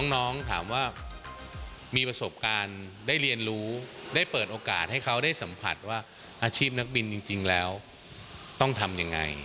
น้องถามว่ามีประสบการณ์ได้เรียนรู้ได้เปิดโอกาสให้เขาได้สัมผัสว่าอาชีพนักบินจริงแล้วต้องทำยังไง